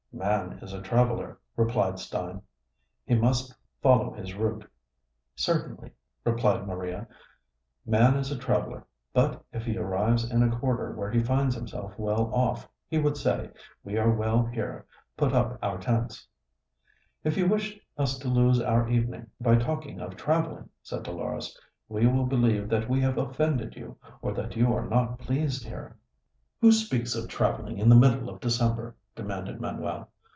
"Man is a traveler," replied Stein; "he must follow his route." "Certainly," replied Maria, "man is a traveler; but if he arrives in a quarter where he finds himself well off, he would say, 'We are well here; put up our tents.'" "If you wish us to lose our evening by talking of traveling," said Dolores, "we will believe that we have offended you, or that you are not pleased here." "Who speaks of traveling in the middle of December?" demanded Manuel.